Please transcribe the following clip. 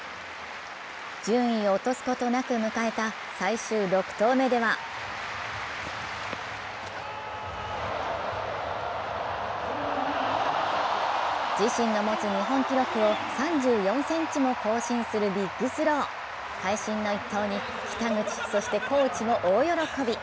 順位を落とすことなく迎えた最終６投目では自身の持つ日本記録を３４ｃｍも更新するビッグスロー会心の一投に北口、そしてコーチも大喜び。